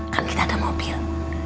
kan kita ada mobil